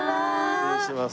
失礼します。